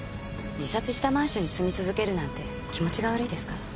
自殺したマンションに住み続けるなんて気持ちが悪いですから。